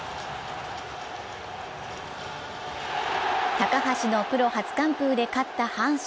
高橋のプロ初完封で勝った阪神。